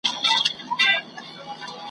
خو حیرانه یم چي دا دعدل کور دی `